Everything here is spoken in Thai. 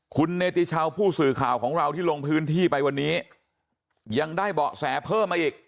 คุณเนติชาวผู้สื่อข่าวของเราที่ลงพื้นที่ไปวันนี้ยังได้เบาะแสเพิ่มมาอีก